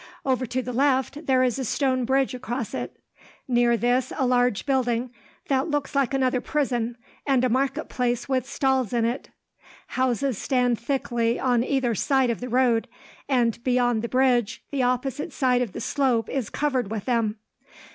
Over to the left, there is a stone bridge across it. Near this is a large building, that looks like another prison, and a marketplace with stalls in it. Houses stand thickly on either side of the road, and beyond the bridge the opposite side of the slope is covered with them.